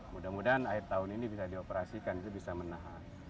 mudah mudahan air tahun ini bisa dioperasikan bisa menahan